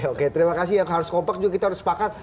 oke terima kasih yang harus kompak juga kita harus sepakat